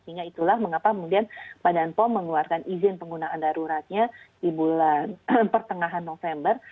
sehingga itulah mengapa kemudian badan pom mengeluarkan izin penggunaan daruratnya di bulan pertengahan november